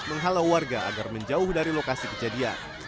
menghalau warga agar menjauh dari lokasi kejadian